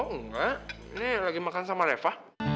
oh enggak ini lagi makan sama reva